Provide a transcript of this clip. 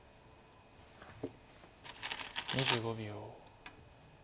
２５秒。